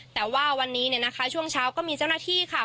แต่ว่าวันนี้เนี่ยนะคะช่วงเช้าก็มีเจ้าหน้าที่ค่ะ